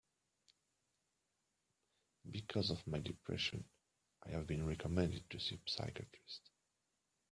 Because of my depression, I have been recommended to see a psychiatrist.